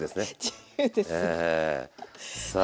自由です。さあ。